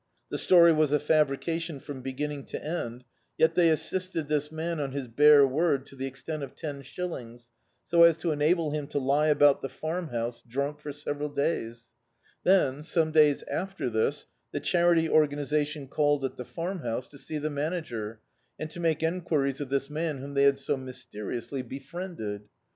The story was a fabrication from beginning to end, yet they assisted this man on his bare word to the extent of ten shillings, so as to enable him to lie about the Farmhouse drunk for several days. Then, some days after this, the Charity Organisation called at the Farmhouse to see D,i.,.db, Google At Last the manager, and to make enquiries of this man whom they had so mysteriously befriended.